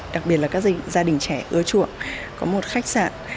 đặc biệt là các gia đình trẻ ưa chuộng có một khách sạn